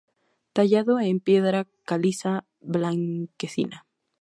Tallado en piedra caliza blanquecina.